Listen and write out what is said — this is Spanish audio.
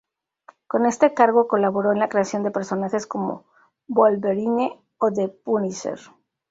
Con este cargo, colaboró en la creación de personajes como Wolverine o The Punisher.